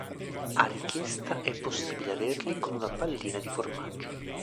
A richiesta è possibile averli con una pallina di formaggio.